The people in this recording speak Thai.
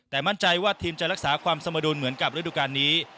แต่มั่นใจว่าทีมจะรักษาความสมดุลเหมือนกับฤดูการนี้